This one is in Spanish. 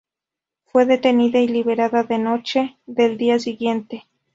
Fue detenida y liberada la noche del día siguiente.